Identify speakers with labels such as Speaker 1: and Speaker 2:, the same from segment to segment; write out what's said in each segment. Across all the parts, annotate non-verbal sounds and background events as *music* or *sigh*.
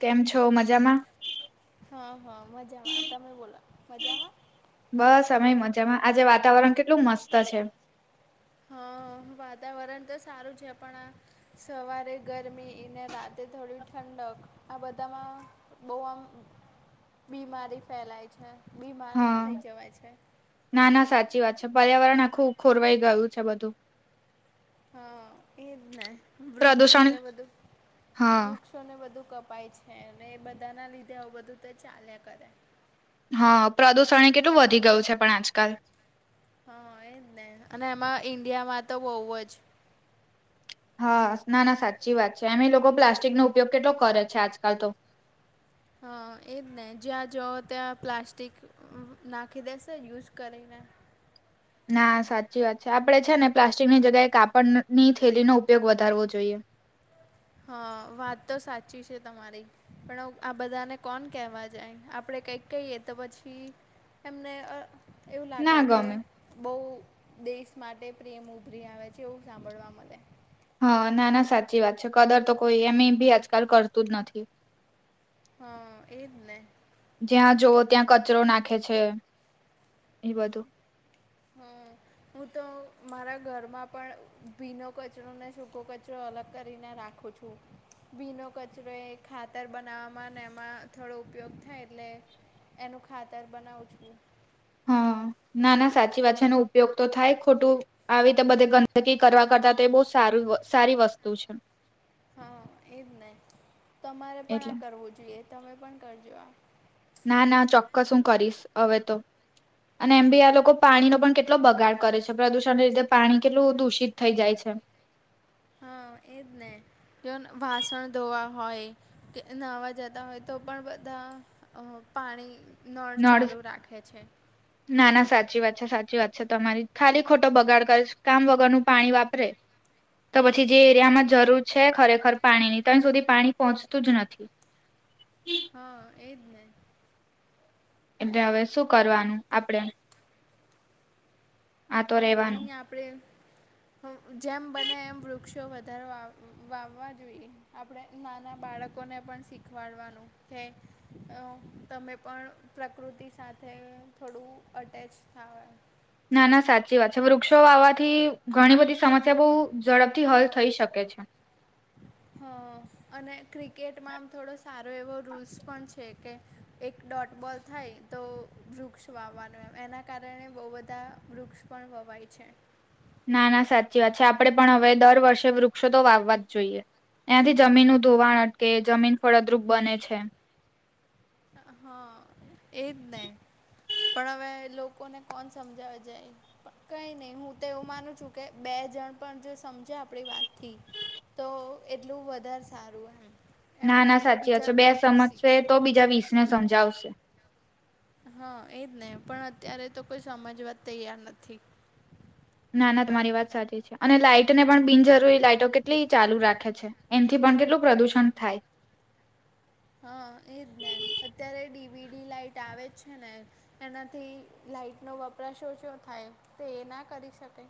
Speaker 1: કેમ છો, મજામાં?
Speaker 2: હા, હા મજામાં તમે બોલો મજામાં.
Speaker 1: બસ અમે મજામાં આજે વાતાવરણ કેટલું મસ્ત છે.
Speaker 2: હા વાતાવરણ તો સારું છે, પણ આ સવારે ગરમીને રાતે થોડી ઠંડક આ બધામાં બહુ આમ બીમારી ફેલાય છે, બીમાર
Speaker 1: હા
Speaker 2: થઈ જવાય છે.
Speaker 1: ના, ના સાચી વાત છે, પર્યાવરણ આખું ખોરવાઈ ગયું છે બધું.
Speaker 2: હા એજને
Speaker 1: પ્રદૂષણ
Speaker 2: વૃક્ષોને બધું વૃક્ષ
Speaker 1: હા
Speaker 2: વૃક્ષોને બધું કપાય છે, અને બધાના લીધે આવું બધું તો ચાલ્યા કરે‌.
Speaker 1: હા પ્રદુષણ એ કેટલું વધી ગયું છે, પણ આજકાલ.
Speaker 2: હા એજને અને એમાં ઈન્ડિયામાં તો બહુજ,
Speaker 1: હા ના ના સાચી વાત છે, એમ એ લોકો પ્લાસ્ટિકનો ઉપયોગ કેટલો કરે છે, આજકાલ તો.
Speaker 2: હા એજને જ્યાં જોવો ત્યાં પ્લાસ્ટિક નાખી દેસે યુઝ કરીને.
Speaker 1: ના સાચી વાત છે, આપડે છે, ને પ્લાસ્ટિકની જગ્યાએ કાપડની થેલીનો ઉપયોગ વધારવો જોઈએ.
Speaker 2: હા વાત તો સાચી છે, તમારી. પણ આ બધાને કોણ કહેવા જાય આપડે કંઈક કહીએ તો પછી એમને એવું લાગે
Speaker 1: ના
Speaker 2: કે
Speaker 1: ગમે
Speaker 2: બહુ દેશ માટે પ્રેમ ઉભરી આવે છે, એવું સાંભળવા મળે.
Speaker 1: હા નાના સાચી વાત છે, કદર તો કોઈ એમ ભી આજકાલ કરતું જ નથી.
Speaker 2: હા એજને.
Speaker 1: જ્યાં જવો ત્યાં કચરો નાખે છે, એ બધું.
Speaker 2: હા. હું તો મારા ઘરમાં પણ ભીનો કચરોને સૂકો કચરો અલગ કરીને રાખું છું. *unintelligible* ભીનો કચરોએ ખાતર બનાવામાં એમાં થોડો ઉપયોગ થાય એટલે એનું ખાતર બનાવું છું.
Speaker 1: હા, ના, ના, સાચી વાત છે. ઉપયોગ તો થાય ખોટું. આવી રીતે બધે ગંદકી કરવા કરતા, તો એ બહુ સારું સારી વસ્તુ છે.
Speaker 2: હા, એજ નહીં, તમારે પણ
Speaker 1: એટલે
Speaker 2: આ કરવું જોઈએ, તમે પણ કરજો.
Speaker 1: ના, ના, ચોક્કસ. હું કરીશ હવે તો. અને એમ બી આ લોકો પાણીનો પણ કેટલો બગાડ કરે છે, પ્રદૂષણને લીધે પાણી કેટલું દૂષિત થઈ જાય છે.
Speaker 2: હા, એજ, ને જો વાસણ ધોવા હોય. કે નહાવા જતા હોય, તો પણ બધા પાણી. નળ ચાલુ રાખે છે.
Speaker 1: ના, ના, સાચી વાત છે, સાચી વાત છે, તમારી ખાલી ખોટો બગાડ કરે કામ વગરનું પાણી વાપરે. તો પછી જે એરિયામાં જરૂર છે, ખરેખર પાણીની ત્યાં સુધી પાણી પહોંચતું જ નથી. હમ.
Speaker 2: હા, એ જ ને.
Speaker 1: એટલે હવે શું કરવાનું? આપડે. આ તો
Speaker 2: કઈ
Speaker 1: રેવાનું
Speaker 2: નહી, આપણેે. જેમ બને એમ વૃક્ષો વધારે વાવવા જોઈએ. આપણે નાના બાળકોને પણ શીખવાડવાનું કે, તમે પણ. પ્રકૃતિ સાથે થોડું અટેચ થવા.
Speaker 1: ના, ના, સાચી વાત છે. વૃક્ષો આવાથી ઘણી બધી સમસ્યા બહ ઝડપથી હલ થઈ શકે છે. *unintelligible*
Speaker 2: હ, અને ક્રિકેટમાં આમ થોડો સારો એવો રૂલ્સ પણ છે કે. એક ડોટબોલ થાય, તો વૃક્ષ વાવવાનું એમ એના કારણે બહુ બધા વૃક્ષ પણ વવાય છે.
Speaker 1: ના, ના, સાચી વાત છે, આપણે પણ હવે દર વર્ષે વૃક્ષો તો વાવવા જ જોઈએ. ત્યાંથી જમીનનું ધોવાણ અટકે, જમીન ફળદ્રુપ બને છે.
Speaker 2: હા, એજ નહીં. પણ હવે લોકોને કોણ સમજાવે જાય. કઈ નહી, હું તો એવું માનું છું, કે બે જણ પણ જો સમજે આપડી વાતથી. તો, એટલું વધારે સારું.
Speaker 1: ના, ના,
Speaker 2: એમનાથી
Speaker 1: સાચી વાત
Speaker 2: બીજા
Speaker 1: છે, બે સમજશે
Speaker 2: શીખશે
Speaker 1: તો, બીજા વીસ ને સમજાવશે.
Speaker 2: હા, એજ ને, પણ અત્યારે તો કોઈ સમજવા તૈયાર નથી.
Speaker 1: ના, ના, તમારી વાત સાચી છે, અને લાઈઇટ ને પણ બિનજરૂરી લાઈટો કેટલી ચાલુ રાખે છે. એનથી પણ કેટલું પ્રદુષણ થાય.
Speaker 2: હા, એજ ને, અત્યારે ડીવીડી લાાઈટ આવે જ છે ને. એનાથી લાાઈટનો વપરાશ શો શો થાય? તો એ ના કરી શકે.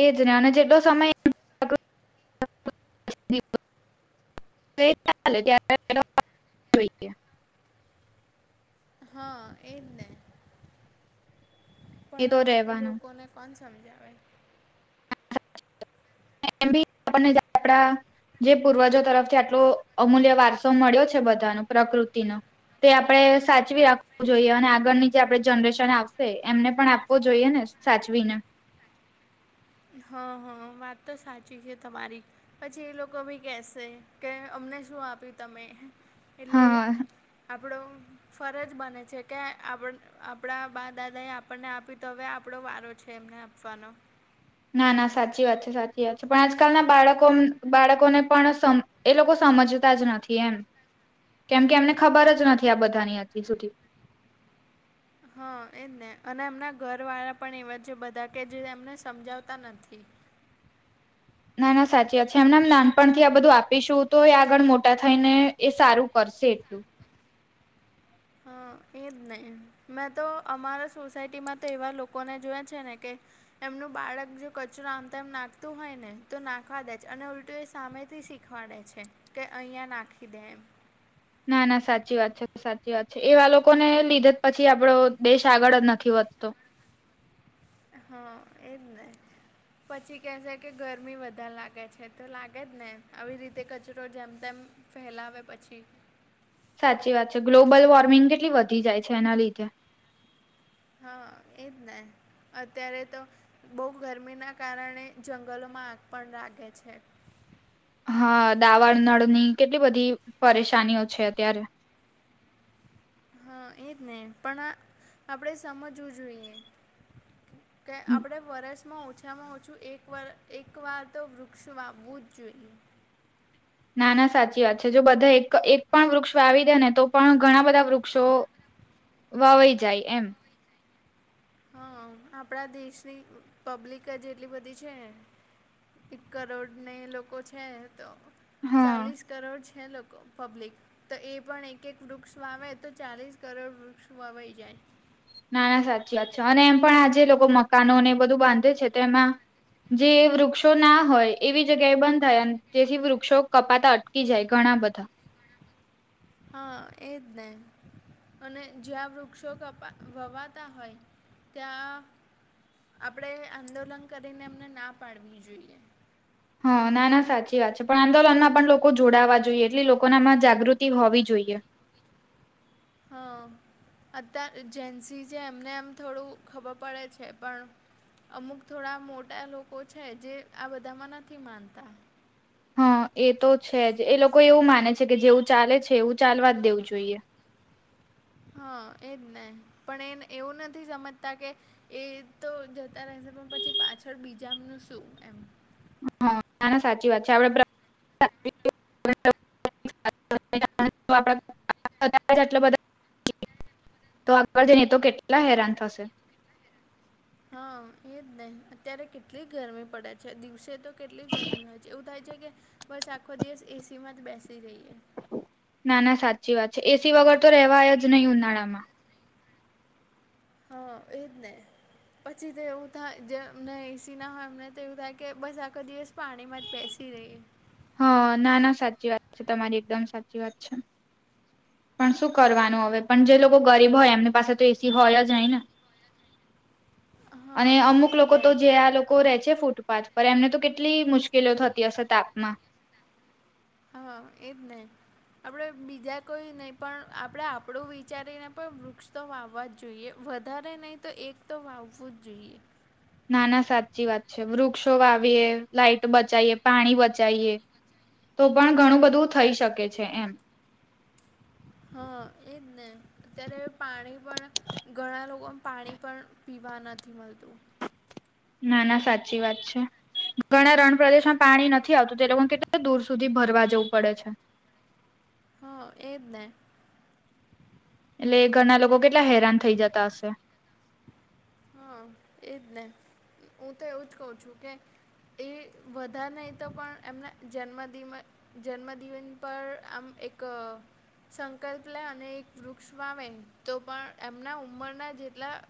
Speaker 1: એજ ને, અને જેટલો સમય. ા ત *unintelligible*
Speaker 2: હા, એજ ને,
Speaker 1: એ તો
Speaker 2: પણ
Speaker 1: રહેવાનું
Speaker 2: લોકોને કોન સમજાવે.
Speaker 1: એ બી આપણને આપડા જે પૂર્વજો તરફથી આટલો અમૂલ્ય વારસો મળ્યો. છે, બધા ની પ્રકૃતિ ને. તે આપણે સાચવી રાખવું જોઈએ, અને આગળની જે આપણે જનરેશન આવશે, એમને પણ આપવો જોઈએ ને. સાચવી.
Speaker 2: હા, હા, વાત તો સાચી છે તમારી. પછી એ લોકો કેસે કે, અમને શું આપ્યું તમે. એટલે
Speaker 1: હા
Speaker 2: આપણો. ફરજ બને છે, કે આપણા બા-દાદા એ આપણને આપ્યું તો, હવે આપડો વારો છે, એમને આપ ફોન.
Speaker 1: ના, ના, સાચી વાત છે, સાચી વાત છે, પણ આજકાલના બાળકો બાળકોને પણ. એ લોકો સમજતા જ નથી એમ, કેમ કે એમને ખબર જ નથી, આ બધાની હજી સુધી
Speaker 2: હા, એજ ને, અને એમના ઘર વાળા પણ એવા છે, બધા કે જે એમને સમજાવતા નથી.
Speaker 1: ના ના સાચી વાત છે, એમનામ નાનપણથી આ બધું આપીશું તો એ આગળ મોટા થઈ ને એ સારું કરશે એટલું. *inaudible*
Speaker 2: હા અ એજ નહી, મેં તો અમારા સોસાયટી માં તો એવા લોકોને જોય છે ને કે એમનું બાળક જો કચરો આમતા એમ નાખતું હોયને, તો નાખવા દે છે, અને ઉલટું એ સામે થી શીખ ખવાડે છે કે, અહીંયા નાખી દે એમ.
Speaker 1: ના ના સાચી વાત છે, સાચી વાત છે, એવા લોકોને લીધે જ પછી આપડો દેશ આગળ જ નથી વધતો.
Speaker 2: હા, એજ ને. પછી કેસે કે ગરમી વધારે લાગે છે, તો લાગેજ ને આવી રીતે કચરો જેમ તેમ ફેલાવે પછી.
Speaker 1: સાચી વાત છે, ગ્લોબલ વોર્મિંગ કેટલી વધી જાય છે એના લીધે.
Speaker 2: હા એજને, અત્યારે તો બહુ ગરમીના કારણે જંગલોમાં આગ પણ લાગે છે.
Speaker 1: હા દાવાળ નળની, કેટલી બધી પરેશાનીઓ છે અત્યારે.
Speaker 2: હા એજ ને, પણ આપણેે સમજવું જોઈએ. કે આપડે વરસ માં ઓછામાં ઓછું એક વાર, એક વાર તો વૃક્ષ વાવવુંજ જોઈએ.
Speaker 1: નાના સાચી વાત છે, જો બધા એક, એક પણ વૃક્ષ વાવીદે ને તો પણ ઘણા બધા વૃક્ષ વૃક્ષો વાવાઈ જાય એમ.
Speaker 2: હા, આપણા દેશની પબ્લિકજ એટલી બધી છેને. એક કરોડ ને લોકો છે તો
Speaker 1: હા
Speaker 2: ચાલીસ કરોડ છે. હે લોકો પબ્લિક તો એ પણ એક એક વૃક્ષ વા, તો ચાલીસ કરોડ વૃક્ષ વાવાઈ જાય.
Speaker 1: ના ના સાચી વાત છે, અને એમ પણ આજે લોકો મકાનો ને એ બધું બાંધે છે, તો એમાં જે વૃક્ષો ના હોય, એવી જગ્યાએ બંધ થયા, જેથી વૃક્ષો કપાતા અટ -કી જાય ઘણા બધા.
Speaker 2: હા એ જ ને, અને જ્યાં વૃક્ષો કપા વવાતા હોય ત્યાં, આપણેે આંદોલન કરીને એમને ના પાડવી જોઈએ.
Speaker 1: હા! ના ના સાચી વાત છે, પણ આંદોલનમાં પણ લોકો જોડાવા જોઈએ, એટલી લોકો નામાં જાગૃતિ હોવી જોઈએ.
Speaker 2: હ અત્ય્યા જેન્સી છે, એમને એમ થોડું ખબર પડે છે પણ. અમુક થોડા મોટા લોકો છે, જે આ બધામાં નથી માનતા
Speaker 1: હા એ તો છેજ, એ લોકો એવું માને છે કે જેવું ચાલે છે એવું ચાલવાજ દેવું જોઈએ.
Speaker 2: હા એજ ને, પણ એન એવું નથી સમજતા કે એ તો જતા રહેશે, પણ પછી પાછળ બીજાનું શું એમ.
Speaker 1: સાચી વાત છે. *inaudible* *inaudible* તો આગળ જઈને, તો કેટલા હેરાન થશે.
Speaker 2: હા એજ ને, અત્યારે કેટલી ગરમી પડે છે, દિવસે તો કેટલી ગરમી હોય છે, એવું થાય કે કે, બસ આખો દિવસ એસી માં જ બેસી રઈએ.
Speaker 1: ના ના સાચી વાત છે, એસી વગર તો રહેવાયજ નહી ઉનાળામાં.
Speaker 2: હા, એજ ને. પછી તો એવું થાય, જેમને એસી ના હોય એમને તો એવું થાય કે, બસ આખો દિવસ પાણીમાં જ બેસી રહીયે.
Speaker 1: હા! ના ના સાચી વાત છે, તમારી એકદમ સાચી વાત છે. પણ શું કરવાનું હવે, પણ જે લોકો ગરીબ હોય, એમની પાસે તો એસી હોયજ નહી ને. અને
Speaker 2: હા
Speaker 1: અમુક
Speaker 2: એજ
Speaker 1: લોકો
Speaker 2: ને
Speaker 1: તો જે આ લોક કો રહે છે ફૂટપાથ પર, એમને તો કેટલી મુશ્કેલિયો થતી હશે તાપમાં.
Speaker 2: હા, એજ ને. આપણે બીજા કોઈ નહીં, પણ આપણે આપણું વિચારીને પણ વૃક્ષ તો વાવવા જોઈએ વધારે નહીં તો એક તો વાવવું જ જોઈએ.
Speaker 1: ના ના સાચી વાત છે, વૃક્ષો વાવીએ, લાાઈટ બચાવીએ, પાણી બચીએ તો પણ ઘણું બધું થઈ શકે છે, એમ
Speaker 2: હા એજ ને અત્યારે પાણી પણ ઘણા લોકો પાણી પણ પીવા નથી મળતુ
Speaker 1: ના ના સાચી વાત છે. ઘણા રણ પ્રદેશમાં પાણી નથી આવતું તે લોકો કેટલા દૂર સુધી ભરવા જવું પડે છે.
Speaker 2: હા એ જ ને
Speaker 1: એટલે એ ઘરના લોકો કેટલા હેરાન થઈ જતા હશે.
Speaker 2: હા એજ ને હુ તો એવું જ કહુ છુ કે એ વધારે નહી, તો પણ એમના જન્મદિમા જન્મદિિવન પર આમ એક સંકલ્પ લે અને એક વૃક્ષ પાવે તો પણ એમના ઉમરના જેટલા-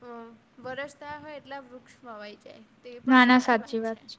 Speaker 2: હમ વરસ થયા હોય એટલા વૃક્ષમાંવાઈ જાય. તો એ પણ
Speaker 1: ના ના
Speaker 2: સારી
Speaker 1: સાચી વાત છે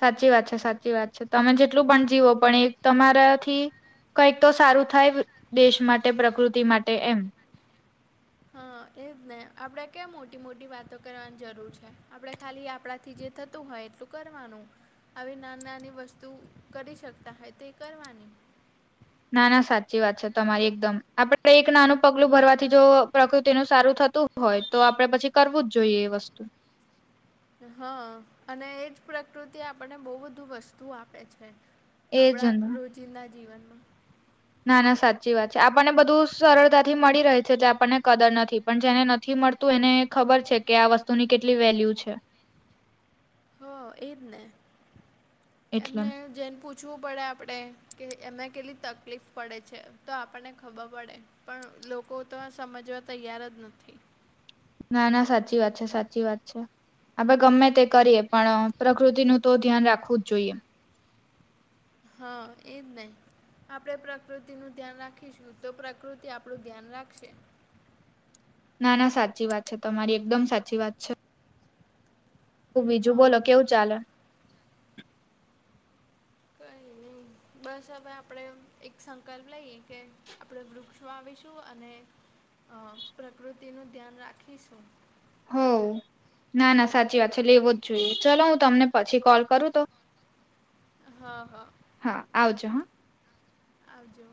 Speaker 1: સાચી વાત છે સાચી વાત છે, તમે જેટલું પણ જીવો પણ એક તમારાથી કઈક તો સારુ થાય દેશ માટે પ્રકૃતિ માટે એમ
Speaker 2: હા એજ ને આપણેે ક્યા મોટી મોટી વાતો કરવાની જરૂર છે, આપડે ખાલી આપણાથી જે થ હોય એટલું કરવાનું આવી નાની નાની વસ્તુ કરી શકતા હોય, તે કરવાની
Speaker 1: ના ના સાચી વાત છે, તમારી એકદમ આપડે એક નાનુ પગલુ ભરવાથી જો પ્રકૃતિનુ સારુ થતુ હોય તો આપડણે પછી કરવું જ જોઈએ એ વસ્તુ
Speaker 2: હા અને એજ પ્રકૃતિ આપણને બહુ બધું વસ્તુ આપે છે.
Speaker 1: એજ ને
Speaker 2: આપણા રોજિંદા જીવનમા
Speaker 1: ના ના સાચી વાત છે આપણને બધું સરળતાથી મળી રહે છે એટલે આપણને કદર નથી. પણ જેને નથી મળતું એને ખબર છે કે આ વસ્તુ ની કેટલી વેલ્યુ છે.
Speaker 2: હ એજ ને
Speaker 1: એટલે
Speaker 2: એમને જેને પૂછ પૂછવું પડે આપણે કે એને કેટલી તકલીફ પડે છે તો આપણને ખબર પડે પણ લોકો તો આ સમજવા તૈયાર જ નથી.
Speaker 1: ના ના સાચી વાત છે સાચી વાત છે આપડે ગમે તે કરીએ પણ પ્રકૃતિનું તો ધ્યાન રાખવું જ જોઈએ.
Speaker 2: હા એ જ નહી આપણે પ્રકૃતિ નું ધ્યાન રાખીશુ તો પ્રકૃતિ આપણું ધ્યાન રાખશે.
Speaker 1: ના ના સાચી વાત છે તમારી એકદમ સાચી વાત છે. તું બીજું
Speaker 2: હા
Speaker 1: બોલો
Speaker 2: હું તો
Speaker 1: કેવું ચાલે
Speaker 2: કંઈ નહીં
Speaker 1: *inaudible*
Speaker 2: બસ હવે આપડે એક સંકલ્પ લઈએ કે આપણે વૃક્ષ આવીશુ અને અ પ્રકૃતિનું ધ્યાન રાખીશુ
Speaker 1: હો ના ના સાચી વાત છે, લેવો જ જોઈએ ચલોો હુ તમને પછી કોલ કરું તો *inaudible*
Speaker 2: હા હા
Speaker 1: હા આવજો હા
Speaker 2: આવજો